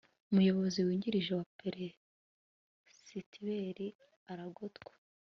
umuyobozi wungirije wa peresibiteri aratorwa